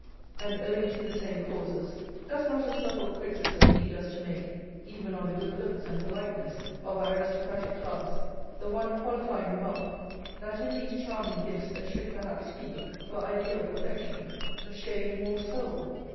And owing to the same causes, does not a subtle criticism lead us to make, even on the good looks and politeness of our aristocratic class, the one qualifying remark, that in these charming gifts there should perhaps be, for ideal perfection, a shade more soul?